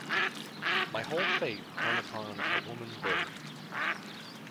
My whole fate hung upon a woman's word.